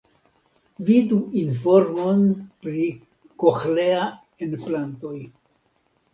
Vidu informon pri koĥlea-enplantoj.